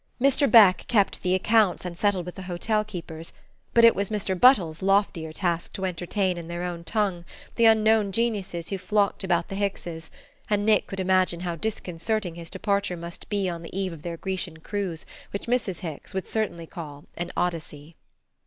Mr. Beck kept the accounts and settled with the hotel keepers; but it was Mr. Buttles's loftier task to entertain in their own tongues the unknown geniuses who flocked about the Hickses, and Nick could imagine how disconcerting his departure must be on the eve of their Grecian cruise which Mrs. Hicks would certainly call an Odyssey.